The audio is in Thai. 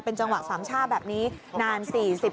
เป็นจังหวะสามชาติแบบนี้นาน๔๐นาที